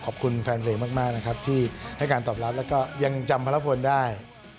ขอบคุณแฟนไวน์มากที่ให้การตอบรับแล้วก็ยังจำพระระพลได้